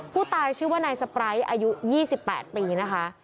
ผู้ตายชื่อว่านายสปร้ายอายุ๒๘ปีนะคะ